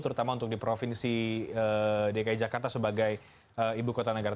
terutama untuk di provinsi dki jakarta sebagai ibu kota negara